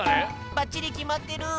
ばっちりきまってる！